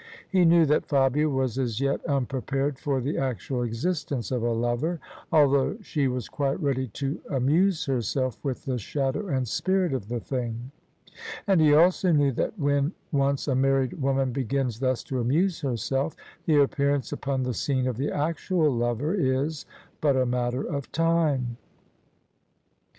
He knew that Fabia was as yet unprepared for the actual existence of a lover, although she was quite ready to amuse herself with the shadow and spirit of the thing : and he also knew that when once a married woman begins thus to amuse herself, the appearance upon the scene of the actual lover is but a matter of time.